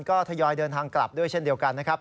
ก็ทยอยเดินทางกลับด้วยเช่นเดียวกันนะครับ